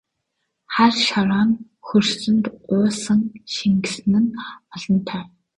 Хар шороон хөрсөнд уусан шингэсэн нь олонтой!